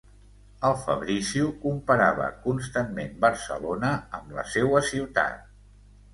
El Fabrizio comparava constantment Barcelona amb la seua ciutat...